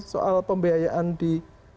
soal pembiayaan di